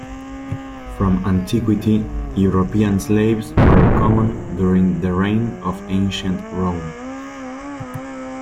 From Antiquity, European slaves were common during the reign of Ancient Rome.